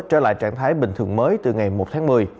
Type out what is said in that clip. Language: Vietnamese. trở lại trạng thái bình thường mới từ ngày một tháng một mươi